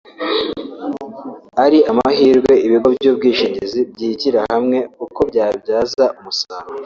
ari amahirwe ibigo by’ubwishingizi byigira hamwe uko byabyaza umusaruro